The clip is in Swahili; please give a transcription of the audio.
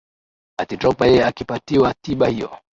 ati drogba yeye akipatiwa tiba hiyo